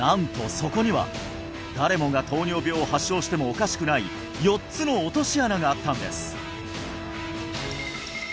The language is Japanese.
そこには誰もが糖尿病を発症してもおかしくない４つの落とし穴があったんです！